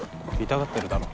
痛がってるだろ。